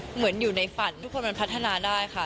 เหมือนอยู่ในฝันทุกคนมันพัฒนาได้ค่ะ